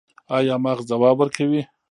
ایا مغز ځواب ورکوي؟